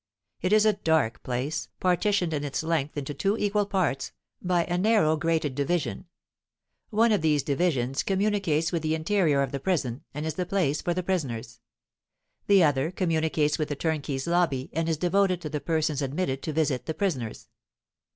It is a dark place, partitioned in its length into two equal parts, by a narrow grated division. One of these divisions communicates with the interior of the prison, and is the place for the prisoners. The other communicates with the turnkey's lobby, and is devoted to the persons admitted to visit the prisoners.